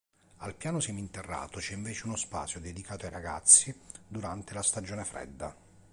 Al piano seminterrato c'è invece uno spazio dedicato ai ragazzi durante la stagione fredda.